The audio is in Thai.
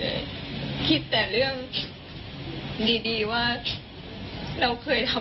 ก็เลยไม่ได้คิดเรื่องเอาห่วงจิตกรรม